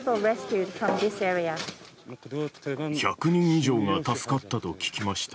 １００人以上が助かったと聞きました。